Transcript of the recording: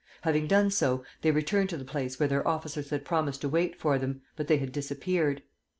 Having done so, they returned to the place where their officers had promised to wait for them; but they had disappeared.